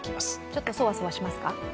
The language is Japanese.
ちょっとそわそわしますか？